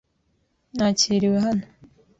Ntakiriwe hano.